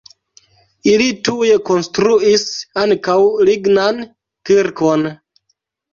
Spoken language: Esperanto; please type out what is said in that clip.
Ili tuj konstruis ankaŭ lignan kirkon.